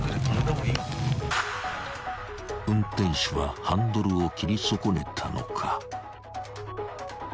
［運転手はハンドルを切り損ねたのか］